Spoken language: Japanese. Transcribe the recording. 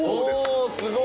おすごい。